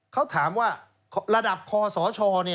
เขาถามว่าระดับคอสช